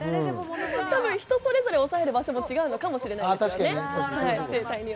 人それぞれ押さえる場所が違うのかもしれないですね。